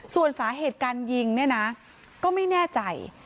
ส่วนสาเหตุการยิงเนี่ยนะก็ไม่แน่ใจ